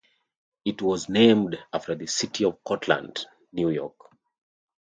It was named after the city of Cortland, New York.